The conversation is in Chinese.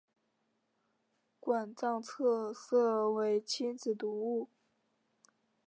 馆藏特色为亲子读物。